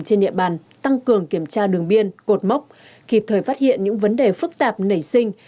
trên địa bàn tăng cường kiểm tra đường biên cột mốc kịp thời phát hiện những vấn đề phức tạp nảy sinh